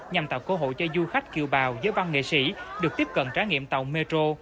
nhằm tạo cơ hội cho du khách kiều bào giới văn nghệ sĩ được tiếp cận trải nghiệm tàu metro